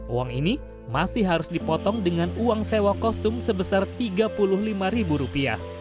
uang ini masih harus dipotong dengan uang sewa kostum sebesar rp tiga puluh lima